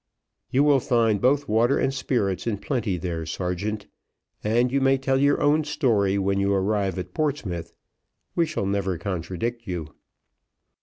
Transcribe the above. "You will find both water and spirits in plenty there, sergeant, and you may tell your own story when you arrive at Portsmouth, we shall never contradict you."